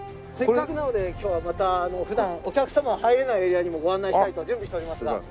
せっかくなので今日はまた普段お客様が入れないエリアにもご案内したいと準備しておりますが。